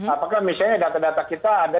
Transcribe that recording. apakah misalnya data data kita ada